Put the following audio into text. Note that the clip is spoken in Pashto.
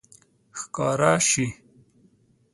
ښکاره شي